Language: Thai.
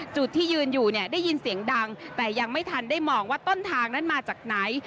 จุดที่ยืนอยู่เนี่ยได้ยินเสียงดังแต่ยังไม่ทันได้มองว่าต้นทางนั้นมาจากไหน